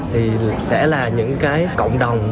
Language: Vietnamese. thì sẽ là những cái cộng đồng